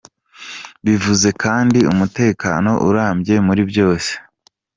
Bivuze kandi umutekano urambye muri byose.